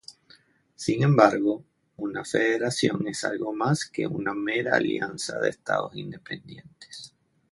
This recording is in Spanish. Sin embargo, una federación es algo más que una mera alianza de estados independientes.